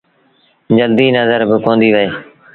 جلديٚ نزر باڪونديٚ وهي۔